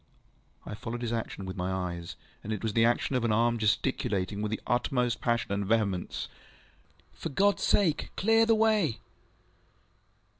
ŌĆØ I followed his action with my eyes, and it was the action of an arm gesticulating, with the utmost passion and vehemence, ŌĆ£For GodŌĆÖs sake, clear the way!